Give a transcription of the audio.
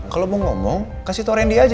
kalau mau ngomong kasih to rendy aja